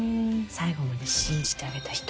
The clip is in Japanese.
最後まで信じてあげた人。